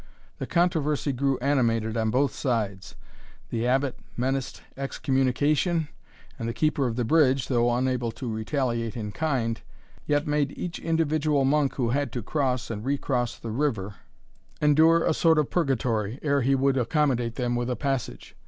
The controversy grew animated on both sides; the Abbot menaced excommunication, and the keeper of the bridge, though unable to retaliate in kind, yet made each individual monk who had to cross and recross the river, endure a sort of purgatory, ere he would accommodate them with a passage.